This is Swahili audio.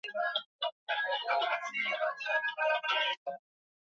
ya kuanzishwa kwa taasisi ya Tulia Trust ni yake Alisema ni mtu aliyekuwa akiwapa